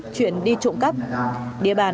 chuyện đi trụ cắp địa bàn